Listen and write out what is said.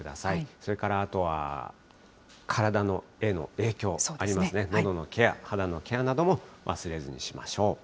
それからあとは体への影響ありますね、のどのケア、肌のケアなども忘れずにしましょう。